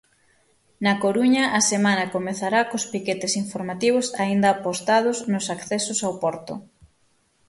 Na Coruña, a semana comezará cos piquetes informativos aínda apostados nos accesos ao porto.